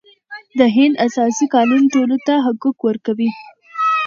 د هند اساسي قانون ټولو ته حقوق ورکوي.